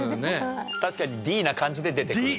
確かにＤな感じで出てくるね。